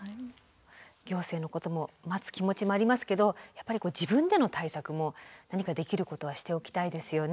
行政のことも待つ気持ちもありますけどやっぱり自分での対策も何かできることはしておきたいですよね。